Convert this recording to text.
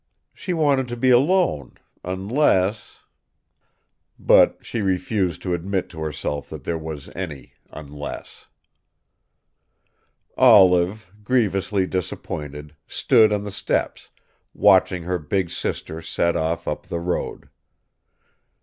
She wanted to be alone, unless But she refused to admit to herself that there was any "unless." Olive, grievously disappointed, stood on the steps, watching her big sister set off up the road.